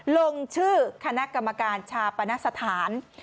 ลงชื่อคณะกรรมการชาปนสถาน